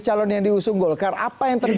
calon yang diusung golkar apa yang terjadi